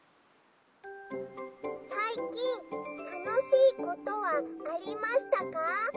「さいきんたのしいことはありましたか？」。